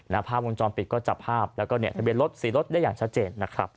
ระภาพวงจอมปิดก็จับภาพแล้วก็ทะเบียนรถสีรถได้อย่างชัดเจน